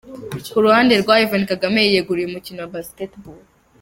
Ku ruhande rwa Ivan Kagame ,yiyeguriye umukino wa Basket Ball.